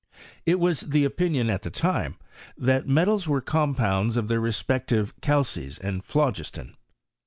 It was die opinion at that time, that metals were compounds of their respeetiye calces and phlogiston.